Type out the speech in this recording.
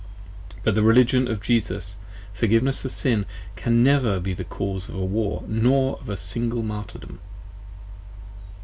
But the Religion of Jesus, Forgiveness of Sin, can never be the cause of a War nor of a single 50 Martyrdom.